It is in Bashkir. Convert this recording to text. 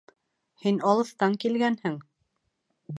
Һин алыҫтан килгәнһең!